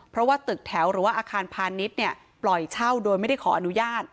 เพราะว่าตึกแถวหรือว่าอาคารพาณิชย์เนี่ยปล่อยเช่าโดยไม่ได้ขออนุญาต